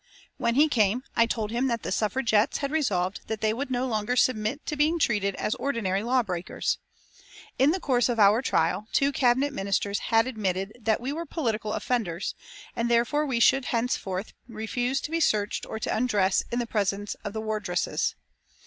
When he came I told him that the Suffragettes had resolved that they would no longer submit to being treated as ordinary law breakers. In the course of our trial two Cabinet Ministers had admitted that we were political offenders, and therefore we should henceforth refuse to be searched or to undress in the presence of the wardresses.